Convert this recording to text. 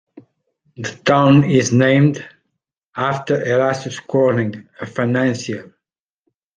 The town is named after Erastus Corning, a financier.